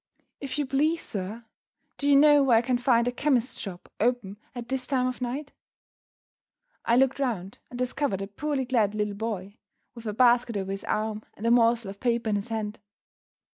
"If you please, sir, do you know where I can find a chemist's shop open at this time of night?" I looked round, and discovered a poorly clad little boy, with a basket over his arm, and a morsel of paper in his hand.